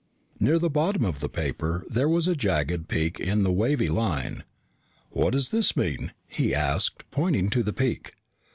Near the bottom of the paper, there was a jagged peak in the wavy line. "What does this mean?" he asked, pointing to the peak.